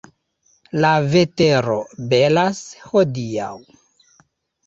La vetero belas hodiaŭ.